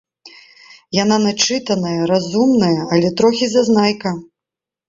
Яна начытаная, разумная, але трохі зазнайка.